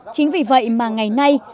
chính vì vậy mà ngày nay